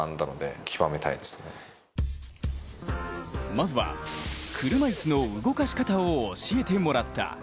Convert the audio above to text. まずは車いすの動かし方を教えてもらった。